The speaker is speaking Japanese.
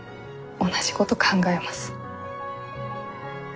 同じこと考えます私も。